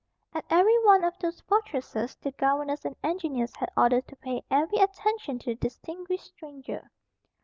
At every one of those fortresses the governors and engineers had orders to pay every attention to the distinguished stranger.